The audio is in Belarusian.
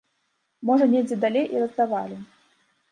Можа недзе далей і раздавалі.